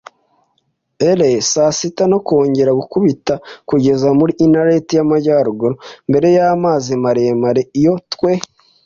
ere saa sita no kongera gukubita kugeza muri Inlet y'Amajyaruguru mbere y'amazi maremare, iyo twe